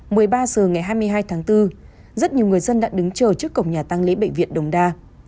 một mươi ba h ngày hai mươi hai tháng bốn rất nhiều người dân đã đứng chờ trước cổng nhà tăng lễ bệnh viện đồng đa